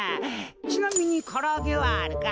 ちなみにからあげはあるか？